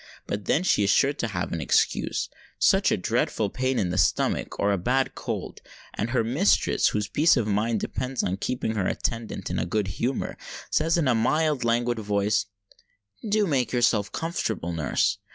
But then she is sure to have an excuse—such a dreadful pain in the stomach, or a bad cold; and her mistress, whose peace of mind depends on keeping her attendant in a good humour, says in a mild, languid voice, "Do make yourself comfortable, nurse!"